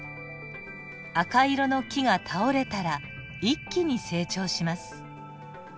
赤色の木が倒れたら一気に成長します。